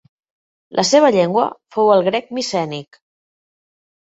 La seva llengua fou el grec micènic.